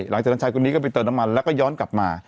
หลังจากนั้นชายคนนี้ก็ไปเติมน้ำมันแล้วก็ย้อนกลับมา